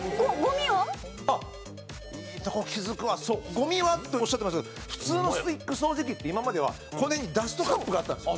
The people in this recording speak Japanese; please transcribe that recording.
「ゴミは？」っておっしゃってましたけど普通のスティック掃除機って今まではこれにダストカップがあったんですよ